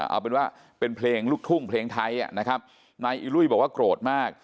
เอาเป็นว่าเป็นเพลงลูกทุ่งเพลงไทยนะครับนายอิลุยบอกว่าโกรธมาก